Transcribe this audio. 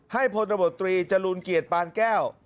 ให้ผลระบบตรีจรูลเกียรติปานแก้ว